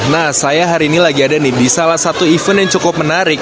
nah saya hari ini lagi ada nih di salah satu event yang cukup menarik